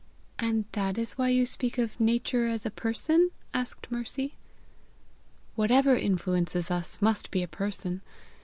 "And that is why you speak of Nature as a person?" asked Mercy. "Whatever influences us must be a person.